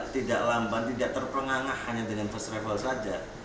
tidak lamban tidak terpengangah hanya dengan first travel saja